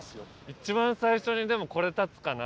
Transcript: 一番最初にでもこれ建つかな？